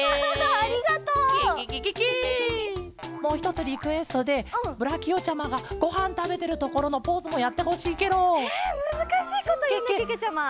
もうひとつリクエストでブラキオちゃまがごはんたべてるところのポーズもやってほしいケロ！えむずかしいこというねけけちゃま。